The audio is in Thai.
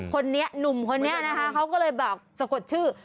คนนี้หนุ่มคนนี้นะคะเขาก็เลยแบบสะกดชื่อ